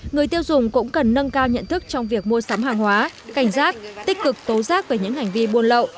người tiêu dùng cũng cần nâng cao nhận thức trong việc mua sắm hàng hóa cảnh giác tích cực tố giác về những hành vi buôn lậu